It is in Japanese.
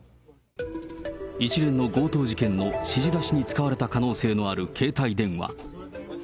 一連の強盗事件の指示出しに使われた可能性のある携帯電話。